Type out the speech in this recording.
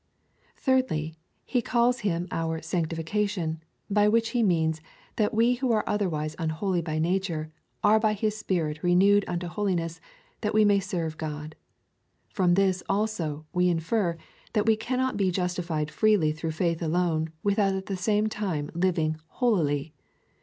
Thirdly, he calls him our sanctification, by which he means, that we who are otherwise unholy by nature, are by his Spirit renewed unto holiness, that we may serve God. From this, also, we infer, that we cannot be justified freely through faith alone without at the same time living holily.